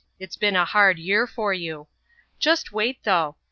It's been a hard year for you. Just wait, though.